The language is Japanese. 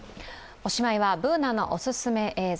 おしまいはＢｏｏｎａのおすすめ映像。